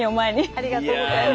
ありがとうございます。